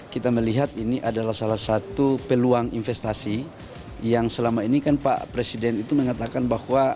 kita melihat ini adalah salah satu peluang investasi yang selama ini kan pak presiden itu mengatakan bahwa